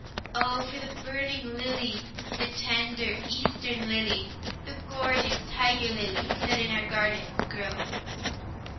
O, for the burning lilies, The tender Eastern lilies, The gorgeous tiger lilies, That in our garden grow!